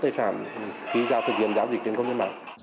khi ra thực hiện giáo dịch trên công nhân mạng